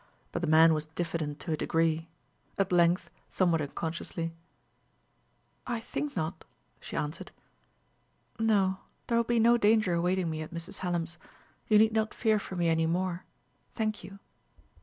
But the man was diffident to a degree At length, somewhat unconsciously, "I think not," she answered. "No; there will be no danger awaiting me at Mrs. Hallam's. You need not fear for me any more Thank you."